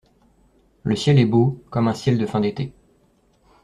Le ciel est beau, comme un ciel de fin d’été.